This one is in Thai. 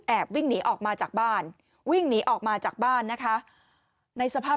วิ่งหนีออกมาจากบ้านวิ่งหนีออกมาจากบ้านนะคะในสภาพ